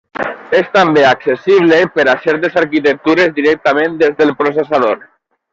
És també accessible per a certes arquitectures directament des del processador.